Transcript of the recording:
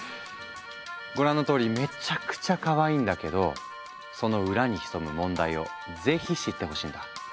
ご覧のとおりめちゃくちゃかわいいんだけどその裏に潜む問題を是非知ってほしいんだ。